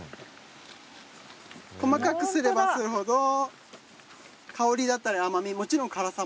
細かくすればするほど香りだったり甘味もちろん辛さも出て。